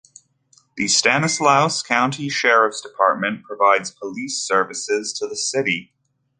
The Stanislaus County Sheriff's Department provides police services to the city.